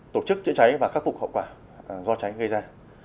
tổ chức chữa cháy và khắc phục hậu quả do cháy gây ra